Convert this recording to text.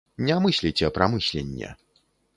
Не мысліце пра мысленне.